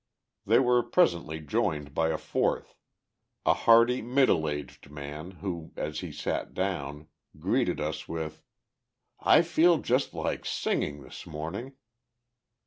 They were presently joined by a fourth, a hearty, middle aged man, who, as he sat down, greeted us with: "I feel just like singing this morning."